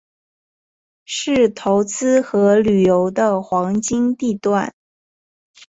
是投资和旅游的黄金地段。